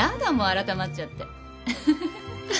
改まっちゃって。